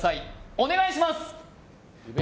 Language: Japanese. お願いします